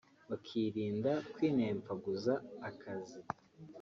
bakirinda kwinemfaguza akazi